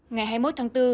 ngày hai mươi một tháng bốn